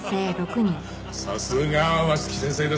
さすが松木先生ですなぁ。